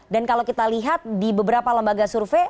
dan kalau kita lihat di beberapa lembaga survei